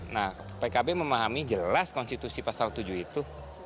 nah pkb memahami jelas konstitusi pasal tujuh itu